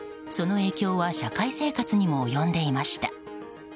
その影響は社会生活にも及んでいました。